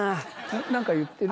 何か言ってる？